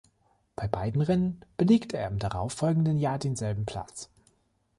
Bei beiden Rennen belegte er im darauffolgenden Jahr denselben Platz.